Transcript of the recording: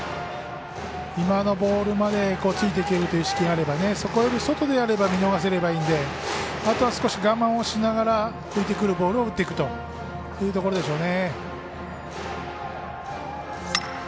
今のボールまでついていける意識があればそこより外だと見逃せばいいのであとは少し我慢しながら浮いてくるボールを打っていくというところでしょうね。